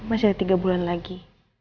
masih ada tiga bulan lagi